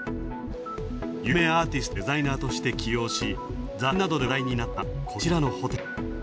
有名アーティストをデザイナーとして起用し雑誌などで話題になったこちらのホテル。